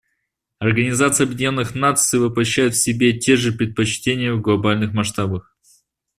Организация Объединенных Наций воплощает в себе те же предпочтения в глобальных масштабах.